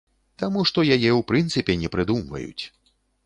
Таму што яе ў прынцыпе не прыдумваюць.